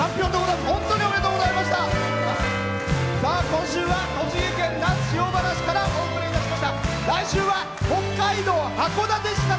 今週は栃木県那須塩原市からお送りいたしました。